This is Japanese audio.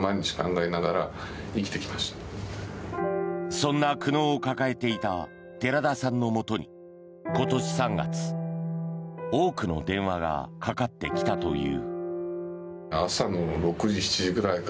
そんな苦悩を抱えていた寺田さんのもとに今年３月、多くの電話がかかってきたという。